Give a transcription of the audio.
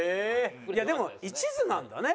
でも一途なんだね。